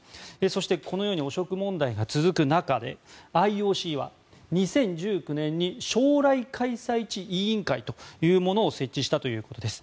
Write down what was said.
そして、このように汚職問題が続く中でＩＯＣは２０１９年に将来開催地委員会というものを設置したということです。